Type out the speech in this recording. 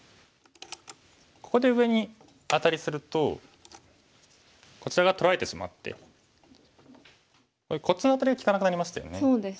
ここで上にアタリするとこちら側取られてしまってこっちのアタリが利かなくなりましたよね。